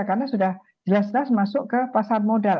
karena sudah jelas jelas masuk ke pasar modal